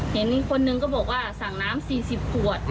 เห็นคนหนึ่งก็บอกว่าสั่งน้ำ๔๐ขวด